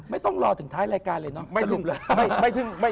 ไม่ต้องรอถึงท้ายรายการเลยเนาะสรุปเลย